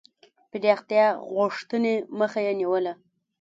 پراختیا غوښتني مخه یې نیوله.